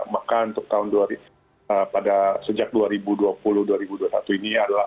maka untuk pada sejak dua ribu dua puluh dua ribu dua puluh satu ini adalah